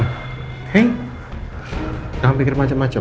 jangan mikir macem macem